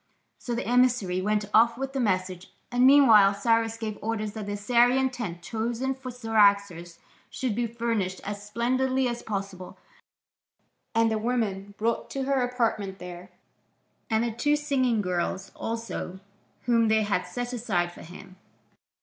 So the emissary went off with the message, and meanwhile Cyrus gave orders that the Assyrian tent chosen for Cyaxares should be furnished as splendidly as possible, and the woman brought to her apartment there, and the two singing girls also, whom they had set aside for him.